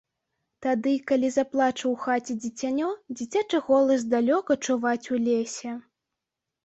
Тады, калі заплача ў хаце дзіцянё, дзіцячы голас далёка чуваць у лесе.